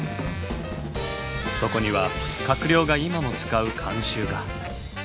そこには閣僚が今も使う慣習が。